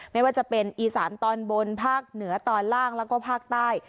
ไม่ว่าจะเป็นอีสานตอนบนภาคเหนือตอนล่างแล้วก็ภาคใต้